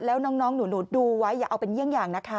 แล้วน้องหนูดูไว้อย่าเอาเป็นเยี่ยงอย่างนะคะ